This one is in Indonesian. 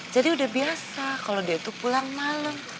jadi udah biasa kalau dia tuh pulang malem